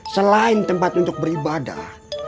selain tempat untuk beribadah